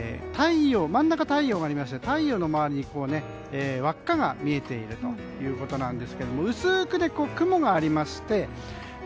真ん中に太陽があって太陽の周りに輪っかが見えているということでして薄く雲がありまして